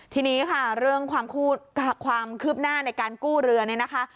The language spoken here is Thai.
ทีนี้ค่ะเรื่องความคืบหน้าในการกู้เรือเนี่ยนะคะ